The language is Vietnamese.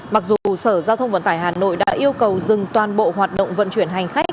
mặc dù sở giao thông vận tải hà nội đã yêu cầu dừng toàn bộ hoạt động vận chuyển hành khách